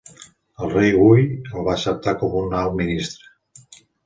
El Rei Hui el va acceptar com un alt ministre.